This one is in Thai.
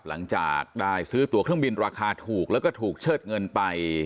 หลังจากได้ซื้อตัวเครื่องบินราคาถูกแล้วก็ถูกเชิดเงินไป